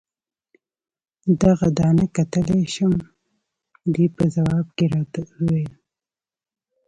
دغه دانه کتلای شم؟ دې په ځواب کې راته وویل.